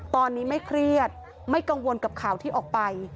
ตอนนี้ไม่เครียดไม่กังวลกับข่าวที่ออกไป